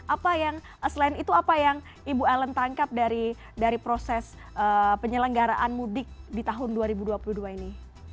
apa yang selain itu apa yang ibu ellen tangkap dari proses penyelenggaraan mudik di tahun dua ribu dua puluh dua ini